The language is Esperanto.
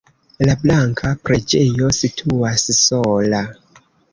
La blanka preĝejo situas sola.